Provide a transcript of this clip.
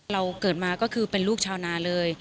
เราเกิดมาก็คือเป็นลูกชาวนาเลย